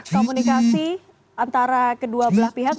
komunikasi antara kedua belah pihak